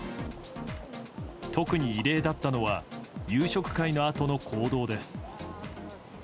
特に異例だったのは夕食会のあとの行動です。